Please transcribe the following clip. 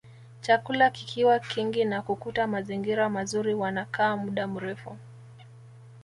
Chakula kikiwa kingi na kukuta mazingira mazuri wanakaa muda mrefu